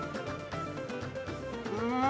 うん。